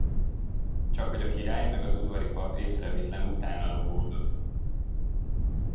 Csakhogy a király meg az udvari pap észrevétlen utána lopózott.